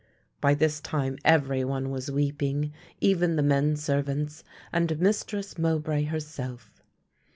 By this time every one was weeping, even the men servants and Mistress Mowbray herself.